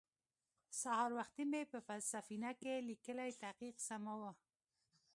سهار وختې مې په سفينه کې ليکلی تحقيق سماوه.